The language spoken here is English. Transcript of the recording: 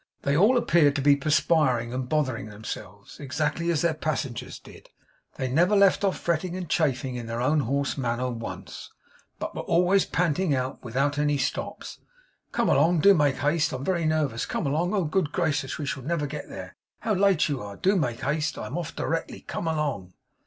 They all appeared to be perspiring and bothering themselves, exactly as their passengers did; they never left off fretting and chafing, in their own hoarse manner, once; but were always panting out, without any stops, 'Come along do make haste I'm very nervous come along oh good gracious we shall never get there how late you are do make haste I'm off directly come along!